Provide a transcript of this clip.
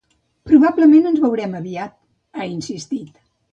“Probablement ens veurem aviat”, ha insistit.